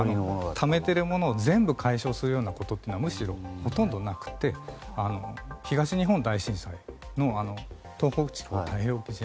ためているものを全部解消するようなことはむしろ、ほとんどなくて東日本大震災の東北地方太平洋沖地震